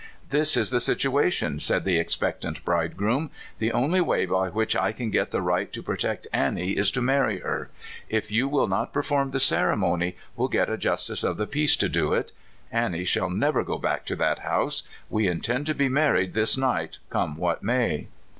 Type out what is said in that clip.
"This is the situation," said the expectant bridegroom. " The only way by which I can get the right to protect Annie is to marry her. If 3'ou will not perform the ceremony, we'll get a justice of the peace to do it. Annie shall never go back to that house. We intend to be married this night, come what may!